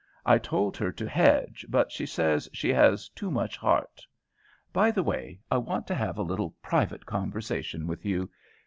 I told her to hedge, but she says she has too much heart. By the way, I want to have a little private conversation with you.